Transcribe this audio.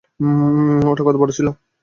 ওটা কত বড় ছিল?